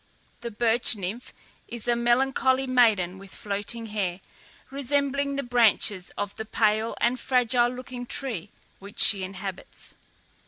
The BIRCH NYMPH is a melancholy maiden with floating hair, resembling the branches of the pale and fragile looking tree which she inhabits.